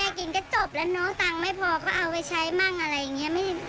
เมื่อกินก็จบแล้วเนอะตังไม่พอก็เอาไปใช้ทำที่อะไรงี้